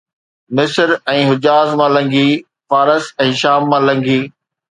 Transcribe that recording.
مصر ۽ حجاز مان لنگھي، فارس ۽ شام مان لنگھي